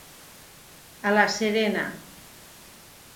A la serena.